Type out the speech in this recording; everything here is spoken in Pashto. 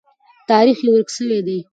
تاریخ یې ورک سوی دی.